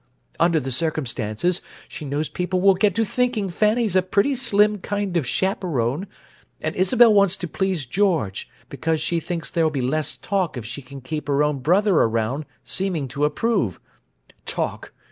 Under the circumstances, she knows people will get to thinking Fanny's a pretty slim kind of chaperone, and Isabel wants to please George because she thinks there'll be less talk if she can keep her own brother around, seeming to approve. 'Talk!